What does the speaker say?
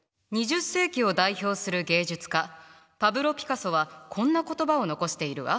２０世紀を代表する芸術家パブロ・ピカソはこんな言葉を残しているわ。